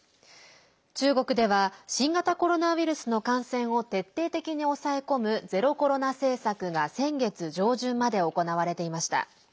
中国では新型コロナウイルスの感染を徹底的に抑え込むゼロコロナ政策が先月上旬まで行われていました。